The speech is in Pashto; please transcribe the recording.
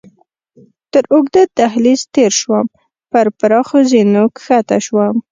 تر اوږده دهلېز تېر شوم، پر پراخو زینو کښته شوم.